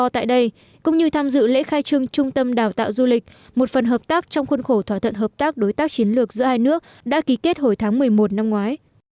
tại đây cũng như tham dự lễ khai trương trung tâm đào tạo du lịch một phần hợp tác trong khuôn khổ thỏa thuận hợp tác đối tác chiến lược giữa hai nước đã ký kết hồi tháng một mươi một năm ngoái